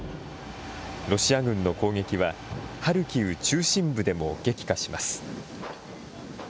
ロシア軍の攻撃は、ハルキウ中心部でも激化します。